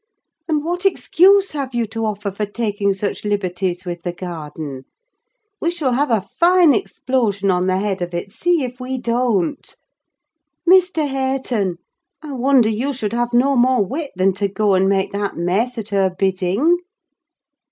And what excuse have you to offer for taking such liberties with the garden? We shall have a fine explosion on the head of it: see if we don't! Mr. Hareton, I wonder you should have no more wit than to go and make that mess at her bidding!"